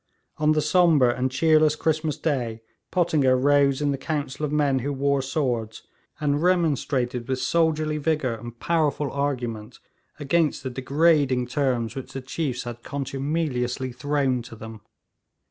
On the sombre and cheerless Christmas Day Pottinger rose in the council of men who wore swords, and remonstrated with soldierly vigour and powerful argument against the degrading terms which the chiefs had contumeliously thrown to them.